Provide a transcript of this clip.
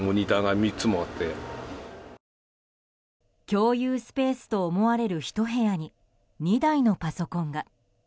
共有スペースと思われるひと部屋に２台のパソコンが。